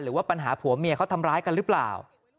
หรือว่าปัญหาผัวเมียเขาทำร้ายกันหรือเปล่า